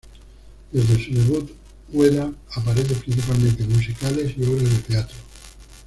Desde su debut, Ueda aparece principalmente en musicales y obras de teatro.